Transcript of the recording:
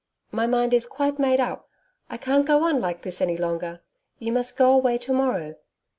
My mind is quite made up. I can't go on like this any longer. You must go away to morrow.'